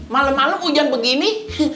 malam malam hujan begini